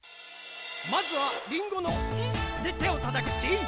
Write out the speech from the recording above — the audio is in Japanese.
まずは「りんご」の「ん」でてをたたくっち！